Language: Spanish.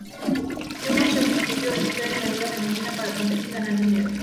Juega shoji vestido de mujer en la liga femenina para competir y ganar dinero.